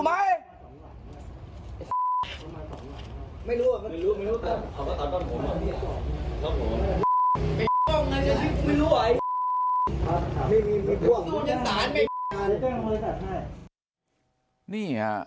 มึงอะ